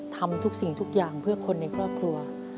ทำทุกสิ่งทุกอย่างเพื่อคนในครอบครัว